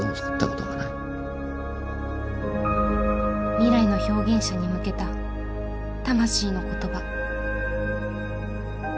未来の表現者に向けた魂の言葉。